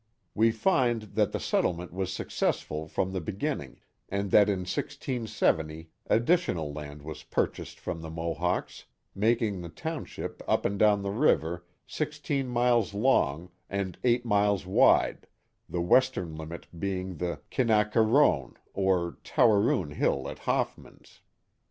We find that the settlement was successful from the begin ning, and that in 1670 additional land was purchased from the Mohawks, making the township up and down the river, six teen miles long, and eight miles wide, the western limit being the Kinaquarone, or Towereune hill at Hoffmans.